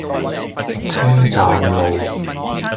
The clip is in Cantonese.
車站路